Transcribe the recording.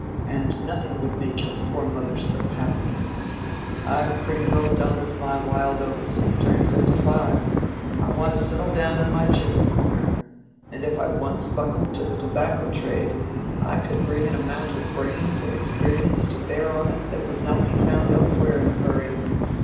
And nothing would make your poor mother so happy. I've pretty well done with my wild oats—turned fifty five. I want to settle down in my chimney corner. And if I once buckled to the tobacco trade, I could bring an amount of brains and experience to bear on it that would not be found elsewhere in a hurry.